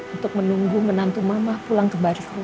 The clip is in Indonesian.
untuk menunggu menantu mama pulang ke barik rumah